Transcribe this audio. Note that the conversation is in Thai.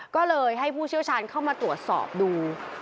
ก็เลยให้ผู้เชี่ยวชาญเข้ามาตรวจสอบดู